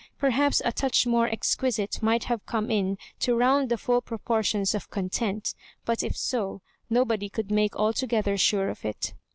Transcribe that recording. Perhaps a touch more exquisite might have come in to round the full proportions of content; but if so, no body could make altogether sure of it.